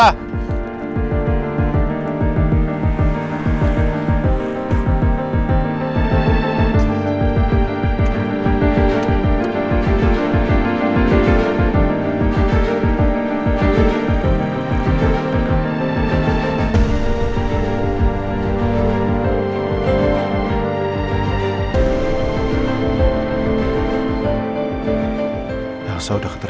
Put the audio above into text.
aku harus berpikir aku harus berpikir